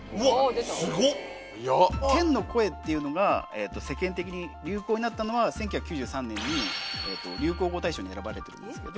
天の声っていうのが世間的に流行になったのは１９９３年に流行語大賞に選ばれてるんですけど。